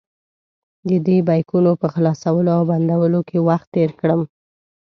ددې بیکونو په خلاصولو او بندولو کې وخت تېر کړم.